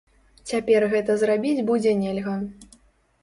Цяпер гэта зрабіць будзе нельга.